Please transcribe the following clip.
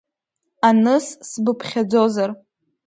Аныс сбыԥхьаӡозар…